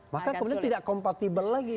maka kemudian tidak kompatibel lagi